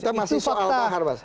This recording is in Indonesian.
kita masih soal mahar mas